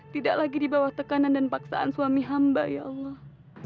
tidak lagi di bawah tekanan dan paksaan suami hamba ya allah